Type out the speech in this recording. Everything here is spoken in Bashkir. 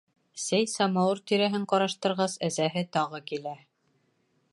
Сәй-самауыр тирәһен ҡараштырғас, әсәһе тағы килә.